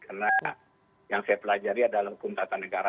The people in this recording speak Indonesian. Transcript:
karena yang saya pelajari adalah hukum kata negara